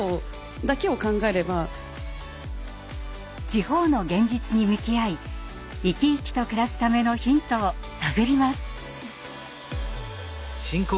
地方の現実に向き合い生き生きと暮らすためのヒントを探ります！